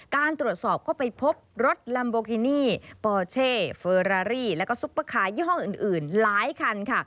การตรวจสอบก็ไปพบรถลัมโบกินี่ปอเช่เฟอรารี่แล้วก็ซุปเปอร์ขายี่ห้ออื่นหลายคันค่ะ